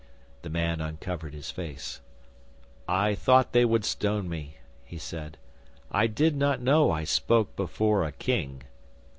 'The man uncovered his face. "I thought they would stone me," he said. "I did not know I spoke before a King."